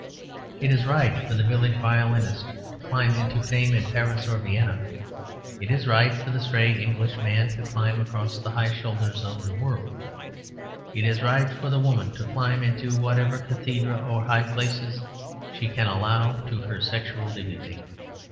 It is right for the village violinist to climb into fame in Paris or Vienna; it is right for the stray Englishman to climb across the high shoulder of the world; it is right for the woman to climb into whatever cathedrae or high places she can allow to her sexual dignity.